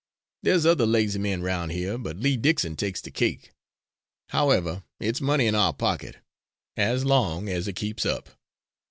There's other lazy men roun' here, but Lee Dickson takes the cake. However, it's money in our pocket, as long as it keeps up."